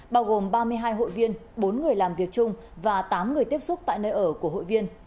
bao gồm ba mươi hai hội viên bốn người làm việc chung và tám người tiếp xúc tại nơi ở của hội viên